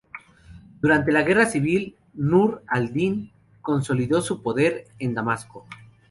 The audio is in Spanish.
Durante la guerra civil, Nur al-Din consolidó su poder en Damasco.